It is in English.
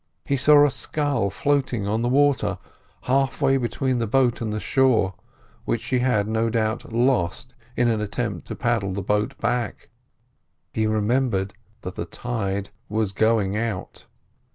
He saw a scull floating on the water half way between the boat and the shore, which she had no doubt lost in an attempt to paddle the boat back. He remembered that the tide was going out.